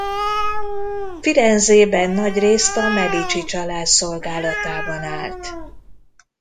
Firenzében nagyrészt a Medici-család szolgálatában állt.